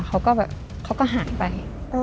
เขาก็แบบเขาก็หายไป